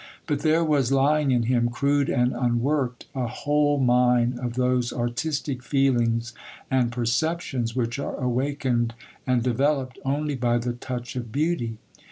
But there was lying in him, crude and unworked, a whole mine of those artistic feelings and perceptions which are awakened and developed only by the touch of beauty.